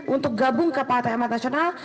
untuk gabung ke partai amat nasional